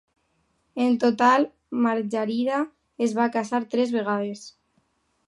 En total, Margarida es va casar tres vegades.